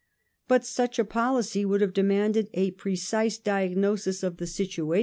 But such a policy would have demanded a precise diagnosis of the situation.